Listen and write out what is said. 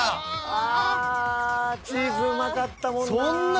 ああチーズうまかったもんな。